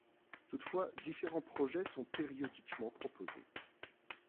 Toutefois différents projets sont périodiquement proposés.